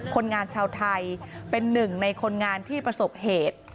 คนงานชาวไทยเป็นหนึ่งในคนงานที่ประสบเหตุ